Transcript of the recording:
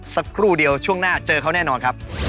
สักครู่เดียวช่วงหน้าเจอเขาแน่นอนครับ